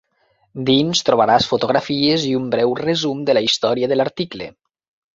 Dins, trobaràs fotografies i un breu resum de la història de l'article.